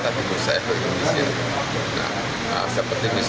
tapi kalau data yang mengaitkan langsung ini dengan penampak itu kita belum tahu